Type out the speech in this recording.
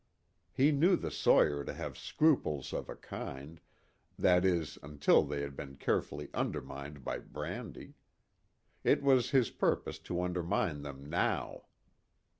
He knew the sawyer to have scruples of a kind, that is until they had been carefully undermined by brandy. It was his purpose to undermine them now.